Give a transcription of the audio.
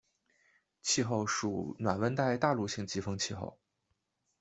气候属暖温带大陆性季风气候。